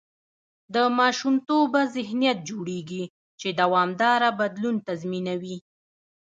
د ماشومتوبه ذهنیت جوړېږي، چې دوامداره بدلون تضمینوي.